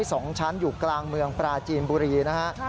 อาคารไม้๒ชั้นอยู่กลางเมืองปราจีนบุรีนะฮะ